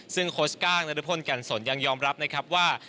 ซึ่งโค้ชก้างนรพลแก่นสนยังยอมรับนะครับว่า